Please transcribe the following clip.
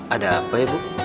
ada apa ibu